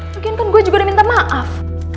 mungkin kan gue juga udah minta maaf